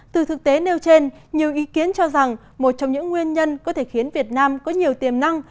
từ thực tế nêu trên nhiều ý kiến cho rằng một trong những nguyên nhân có thể khiến việt nam có nhiều tiềm năng